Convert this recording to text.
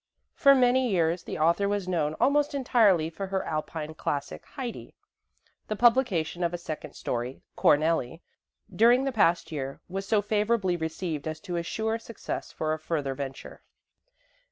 For many years the author was known almost entirely for her Alpine classic, "Heidi". The publication of a second story, "Cornelli", during the past year was so favorably received as to assure success for a further venture.